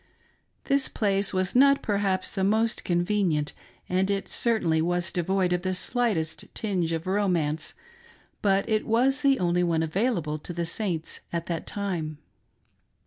This place was not perhaps the most convenient, and it certainly was devoid of the slightest tingq of romance ; but it was the only one available to the saints at that time.